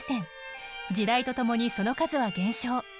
時代とともにその数は減少。